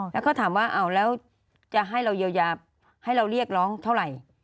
แล้วก็ถามว่าเอาแล้วจะให้เราเยียวยาให้เราเรียกร้องเท่าไหร่